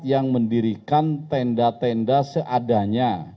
yang mendirikan tenda tenda seadanya